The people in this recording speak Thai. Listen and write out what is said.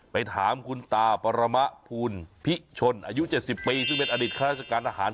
ไปถามคุณตาปรมาภูนิภิชชนอายุ๗๐ปีซึ่งเป็นอดิษฐ์ฆาตราชการอาหาร